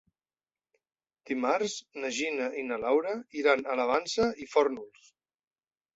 Dimarts na Gina i na Laura iran a la Vansa i Fórnols.